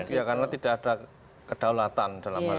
ya karena tidak ada kedaulatan dalam hal ini